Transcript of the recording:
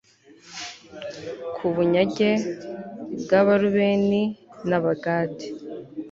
ku bunyage bw abarubeni n abagadi